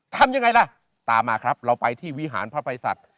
ทำยังไงล่ะตามมาครับเราไปที่วิหารพระภัยศัตริย์